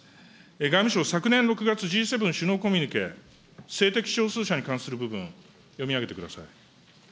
外務省、昨年６月、Ｇ７首脳コミュニケで性的少数者に関する部分、読み上げてください。